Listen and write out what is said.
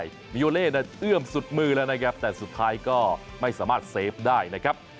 มิโยเล่นะเอื้อมสุดมือแล้วนะครับแต่สุดท้ายก็ไม่สามารถเซฟได้นะครับ